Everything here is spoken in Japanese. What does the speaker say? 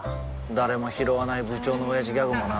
誰もひろわない部長のオヤジギャグもな